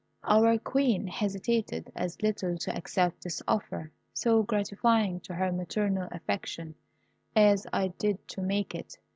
"Our Queen hesitated as little to accept this offer, so gratifying to her maternal affection, as I did to make it.